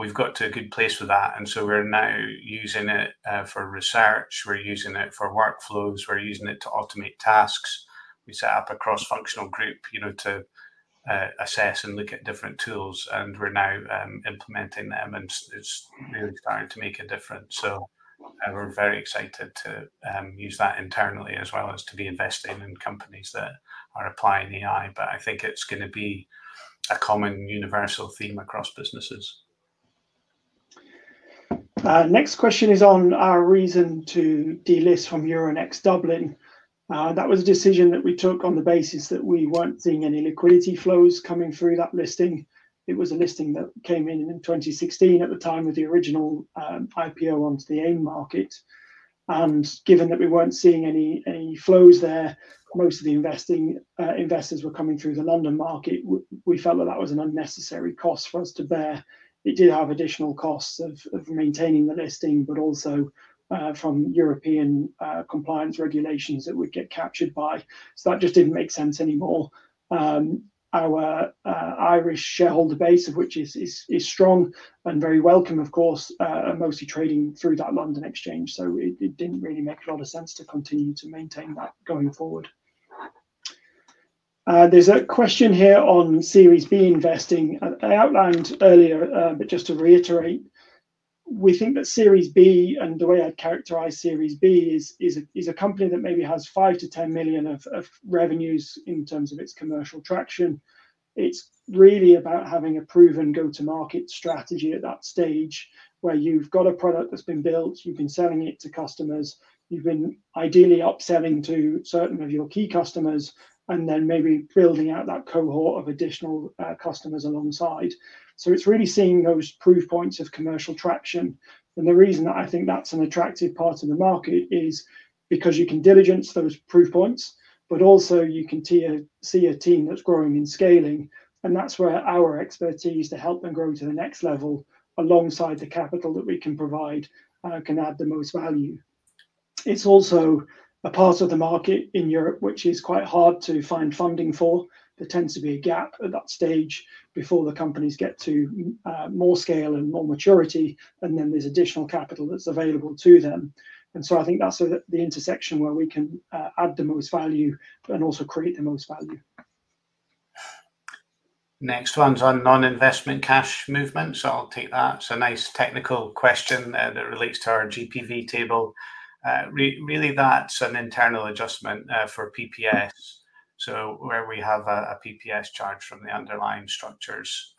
Speaker 3: We've got to a good place with that. We're now using it for research. We're using it for workflows. We're using it to automate tasks. We set up a cross-functional group to assess and look at different tools, and we're now implementing them, and it's really starting to make a difference. We are very excited to use that internally as well as to be investing in companies that are applying AI, but I think it's going to be a common universal theme across businesses.
Speaker 2: The next question is on our reason to delist from Euronext Dublin. That was a decision that we took on the basis that we were not seeing any liquidity flows coming through that listing. It was a listing that came in in 2016 at the time with the original IPO onto the AIM market. Given that we were not seeing any flows there, most of the investors were coming through the London market, we felt that that was an unnecessary cost for us to bear. It did have additional costs of maintaining the listing, but also from European compliance regulations that would get captured by. That just did not make sense anymore. Our Irish shareholder base, which is strong and very welcome, of course, are mostly trading through that London exchange. It did not really make a lot of sense to continue to maintain that going forward. There is a question here on Series B investing. I outlined earlier, but just to reiterate, we think that Series B, and the way I would characterize Series B, is a company that maybe has $5 million-$10 million of revenues in terms of its commercial traction. It's really about having a proven go-to-market strategy at that stage where you've got a product that's been built, you've been selling it to customers, you've been ideally upselling to certain of your key customers, and then maybe building out that cohort of additional customers alongside. It is really seeing those proof points of commercial traction. The reason that I think that's an attractive part of the market is because you can diligence those proof points, but also you can see a team that's growing and scaling. That's where our expertise to help them grow to the next level alongside the capital that we can provide can add the most value. It's also a part of the market in Europe, which is quite hard to find funding for. There tends to be a gap at that stage before the companies get to more scale and more maturity, and then there's additional capital that's available to them. I think that's the intersection where we can add the most value and also create the most value.
Speaker 3: Next one's on non-investment cash movements. I'll take that. It's a nice technical question that relates to our GPV table. Really, that's an internal adjustment for PPS. Where we have a PPS charge from the underlying structures,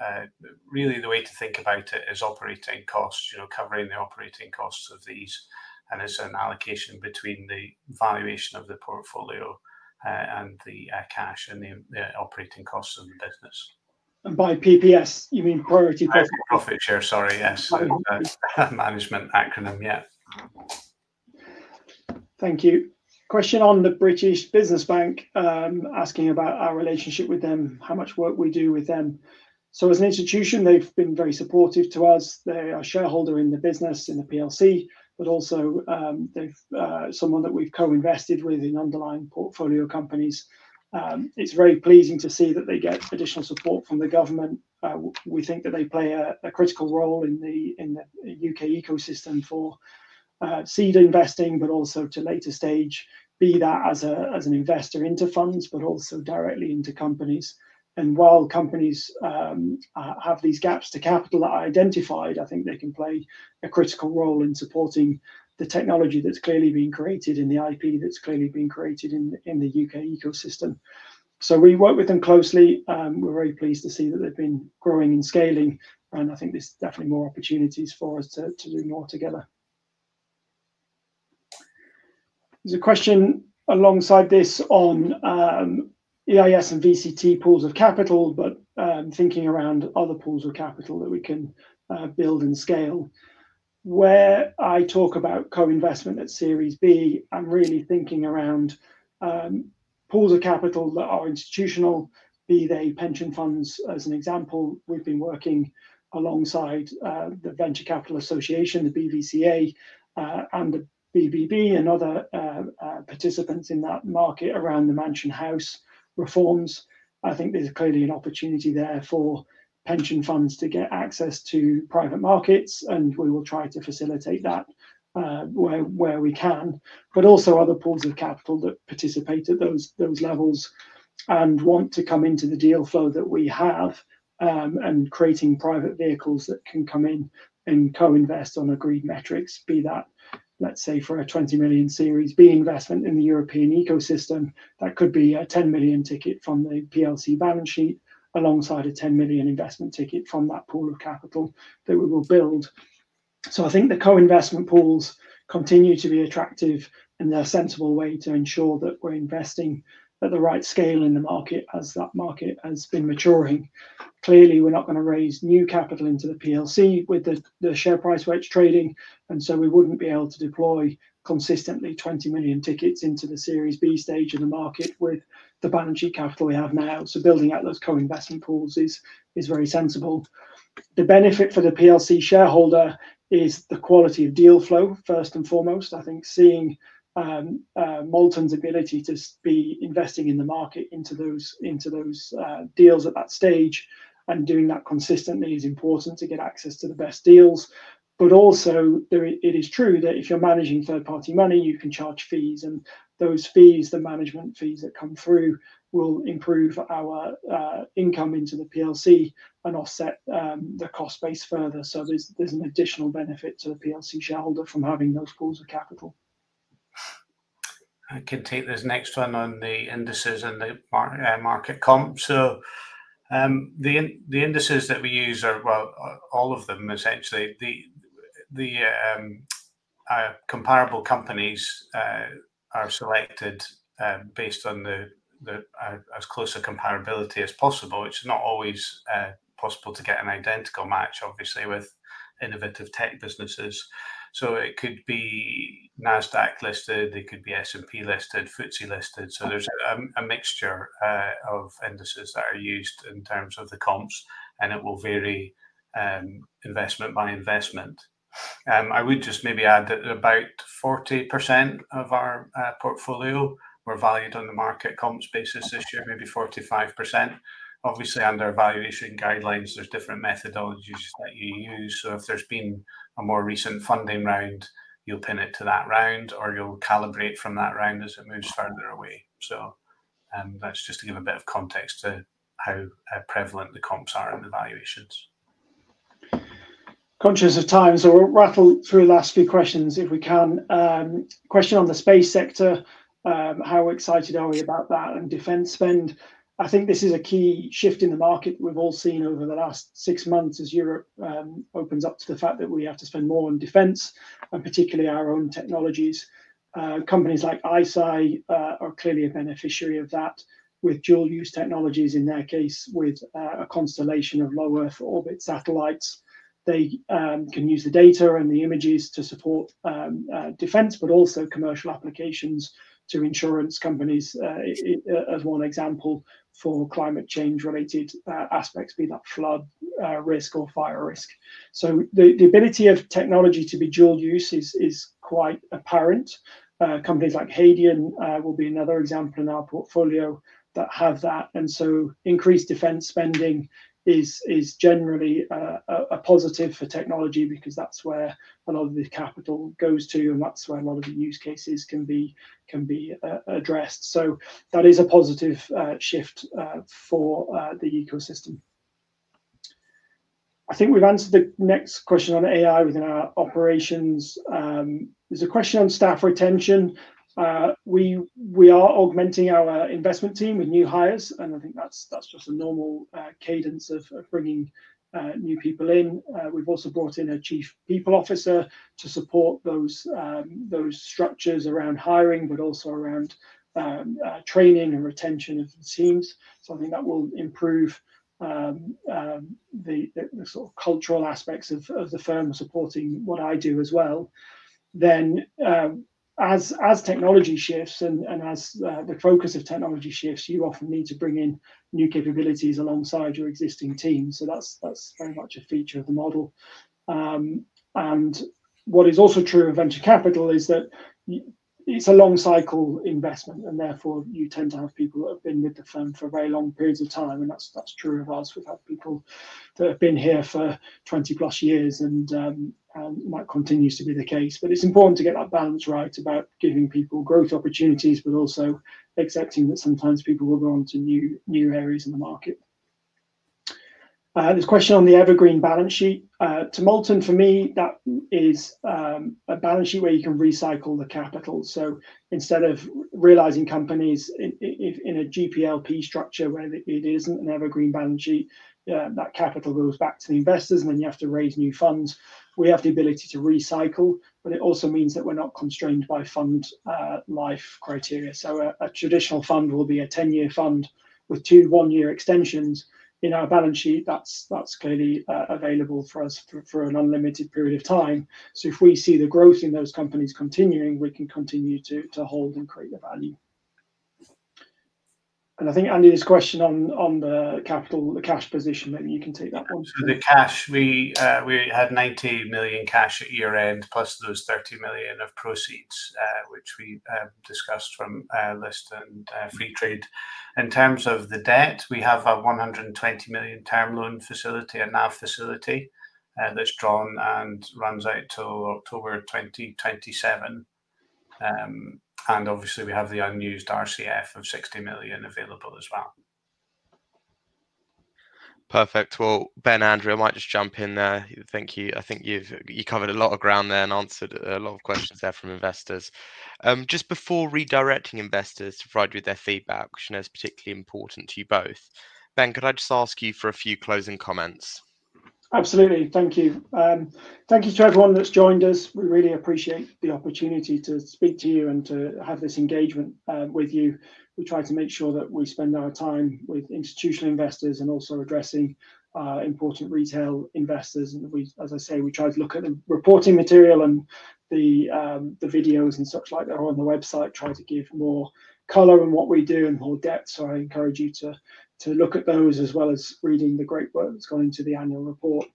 Speaker 3: really, the way to think about it is operating costs, covering the operating costs of these, and it's an allocation between the valuation of the portfolio and the cash and the operating costs of the business.
Speaker 2: By PPS, you mean priority profit?
Speaker 3: Priority profit share, sorry. Yes. Management acronym, yeah.
Speaker 2: Thank you. Question on the British Business Bank, asking about our relationship with them, how much work we do with them. As an institution, they've been very supportive to us. They are a shareholder in the business, in the PLC, but also someone that we've co-invested with in underlying portfolio companies. It's very pleasing to see that they get additional support from the government. We think that they play a critical role in the U.K. ecosystem for seed investing, but also to later stage, be that as an investor into funds, but also directly into companies. While companies have these gaps to capital that are identified, I think they can play a critical role in supporting the technology that's clearly being created in the IP that's clearly being created in the U.K. ecosystem. We work with them closely. We're very pleased to see that they've been growing and scaling, and I think there's definitely more opportunities for us to do more together. There's a question alongside this on EIS and VCT pools of capital, but thinking around other pools of capital that we can build and scale. Where I talk about co-investment at Series B, I'm really thinking around pools of capital that are institutional, be they pension funds as an example. We've been working alongside the British Private Equity & Venture Capital Association, the BVCA, and the British Business Bank and other participants in that market around the mansion house reforms. I think there's clearly an opportunity there for pension funds to get access to private markets, and we will try to facilitate that where we can, but also other pools of capital that participate at those levels and want to come into the deal flow that we have and creating private vehicles that can come in and co-invest on agreed metrics, be that, let's say, for a 20 million Series B investment in the European ecosystem, that could be a 10 million ticket from the PLC balance sheet alongside a 10 million investment ticket from that pool of capital that we will build. I think the co-investment pools continue to be attractive, and they're a sensible way to ensure that we're investing at the right scale in the market as that market has been maturing. Clearly, we're not going to raise new capital into the PLC with the share price we're trading, and we wouldn't be able to deploy consistently $20 million tickets into the Series B stage of the market with the balance sheet capital we have now. Building out those co-investment pools is very sensible. The benefit for the PLC shareholder is the quality of deal flow, first and foremost. I think seeing Molten's ability to be investing in the market into those deals at that stage and doing that consistently is important to get access to the best deals. It is also true that if you're managing third-party money, you can charge fees, and those fees, the management fees that come through, will improve our income into the PLC and offset the cost base further. There's an additional benefit to the PLC shareholder from having those pools of capital.
Speaker 3: I can take this next one on the indices and the market comp. The indices that we use are, well, all of them essentially, the comparable companies are selected based on as close a comparability as possible. It's not always possible to get an identical match, obviously, with innovative tech businesses. It could be NASDAQ listed, it could be S&P listed, FTSE listed. There's a mixture of indices that are used in terms of the comps, and it will vary investment by investment. I would just maybe add that about 40% of our portfolio were valued on the market comps basis this year, maybe 45%. Obviously, under valuation guidelines, there's different methodologies that you use. If there's been a more recent funding round, you'll pin it to that round, or you'll calibrate from that round as it moves further away. That's just to give a bit of context to how prevalent the comps are in the valuations.
Speaker 2: Conscious of time, we'll rattle through the last few questions if we can. Question on the space sector, how excited are we about that and defense spend? I think this is a key shift in the market that we've all seen over the last six months as Europe opens up to the fact that we have to spend more on defense and particularly our own technologies. Companies like ICEYE are clearly a beneficiary of that with dual-use technologies in their case with a constellation of low-earth orbit satellites. They can use the data and the images to support defense, but also commercial applications to insurance companies as one example for climate change-related aspects, be that flood risk or fire risk. The ability of technology to be dual-use is quite apparent. Companies like Hadean will be another example in our portfolio that have that. Increased defense spending is generally a positive for technology because that's where a lot of the capital goes to, and that's where a lot of the use cases can be addressed. That is a positive shift for the ecosystem. I think we've answered the next question on AI within our operations. There's a question on staff retention. We are augmenting our investment team with new hires, and I think that's just a normal cadence of bringing new people in. We've also brought in a Chief People Officer to support those structures around hiring, but also around training and retention of the teams. I think that will improve the sort of cultural aspects of the firm supporting what I do as well. As technology shifts and as the focus of technology shifts, you often need to bring in new capabilities alongside your existing team. That is very much a feature of the model. What is also true of venture capital is that it's a long-cycle investment, and therefore you tend to have people that have been with the firm for very long periods of time. That's true of us. We've had people that have been here for 20+ years and might continue to be the case. It's important to get that balance right about giving people growth opportunities, but also accepting that sometimes people will go on to new areas in the market. There's a question on the Evergreen Balance Sheet. To Molten, for me, that is a balance sheet where you can recycle the capital. So instead of realizing companies in a GP/LP structure where it isn't an Evergreen Balance Sheet, that capital goes back to the investors, and then you have to raise new funds. We have the ability to recycle, but it also means that we're not constrained by fund life criteria. A traditional fund will be a 10-year fund with two one-year extensions. In our balance sheet, that's clearly available for us for an unlimited period of time. If we see the growth in those companies continuing, we can continue to hold and create the value. I think, Andy, this question on the capital, the cash position, maybe you can take that one.
Speaker 3: The cash, we had 90 million cash at year-end, plus those 30 million of proceeds, which we discussed from Lyst and Freetrade. In terms of the debt, we have a 120 million term loan facility, a NAV facility, that's drawn and runs out to October 2027. Obviously, we have the unused RCF of 60 million available as well.
Speaker 1: Perfect. Ben, Andrew, I might just jump in there. I think you've covered a lot of ground there and answered a lot of questions there from investors. Just before redirecting investors to provide you with their feedback, which I know is particularly important to you both, Ben, could I just ask you for a few closing comments?
Speaker 2: Absolutely. Thank you. Thank you to everyone that's joined us. We really appreciate the opportunity to speak to you and to have this engagement with you. We try to make sure that we spend our time with institutional investors and also addressing important retail investors. As I say, we try to look at the reporting material and the videos and such like that are on the website, try to give more color in what we do and more depth. I encourage you to look at those as well as reading the great work that's gone into the annual report.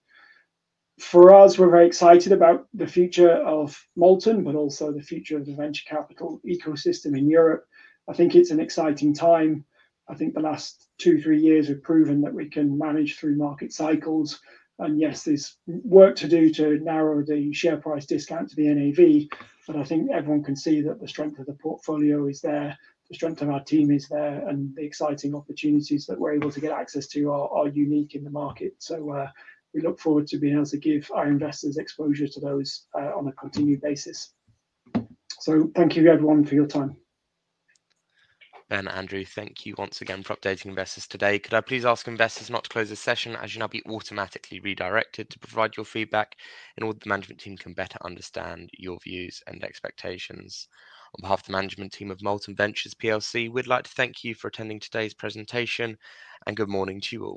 Speaker 2: For us, we're very excited about the future of Molten, but also the future of the venture capital ecosystem in Europe. I think it's an exciting time. I think the last two, three years have proven that we can manage through market cycles. Yes, there's work to do to narrow the share price discount to the NAV, but I think everyone can see that the strength of the portfolio is there, the strength of our team is there, and the exciting opportunities that we're able to get access to are unique in the market. We look forward to being able to give our investors exposure to those on a continued basis. Thank you, everyone, for your time.
Speaker 1: Ben, Andrew, thank you once again for updating investors today. Could I please ask investors not to close the session as you'll now be automatically redirected to provide your feedback in order for the management team to better understand your views and expectations? On behalf of the management team of Molten Ventures, we'd like to thank you for attending today's presentation, and good morning to you all.